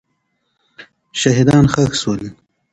شهیدان ښخ سول.